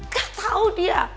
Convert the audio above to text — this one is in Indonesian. gak tahu dia